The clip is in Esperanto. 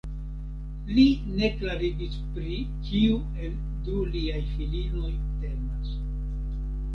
Li ne klarigis pri kiu el du liaj filinoj temas.